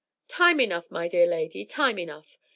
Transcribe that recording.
"Time enough, my dear lady, time enough.